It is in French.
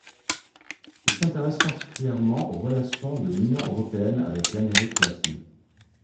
Il s'intéresse particulièrement aux relations de l'Union européenne avec l'Amérique latine.